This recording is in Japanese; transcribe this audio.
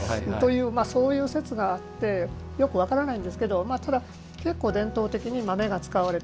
そういう説があってよく分からないんですけどただ、結構伝統的に豆が使われた。